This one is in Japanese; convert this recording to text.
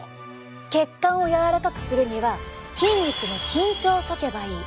血管を柔らかくするには筋肉の緊張をとけばいい。